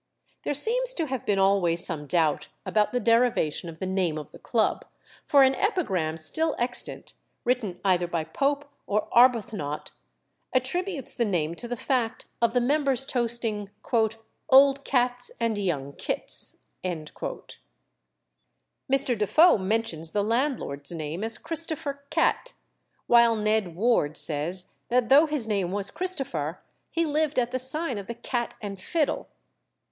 There seems to have been always some doubt about the derivation of the name of the club; for an epigram still extant, written either by Pope or Arbuthnot, attributes the name to the fact of the members toasting "old Cats and young kits." Mr. Defoe mentions the landlord's name as Christopher Catt, while Ned Ward says that though his name was Christopher, he lived at the sign of the Cat and Fiddle.